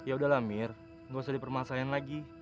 yaudah lah mir nggak usah dipermasalahin lagi